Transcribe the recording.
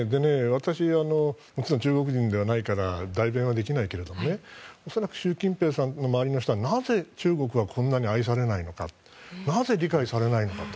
私はもちろん中国人ではないから代弁はできないけど恐らく習近平さんの周りの人はなぜ、中国はこんなに愛されないのかなぜ理解されないのかと。